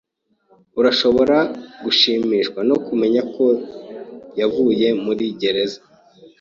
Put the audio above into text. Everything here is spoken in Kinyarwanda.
Urashobora gushimishwa no kumenya ko yavuye muri gereza.